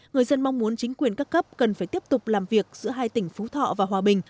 người dân mong muốn chính quyền các cấp cần phải tiếp tục làm việc giữa hai tỉnh phú thọ và hòa bình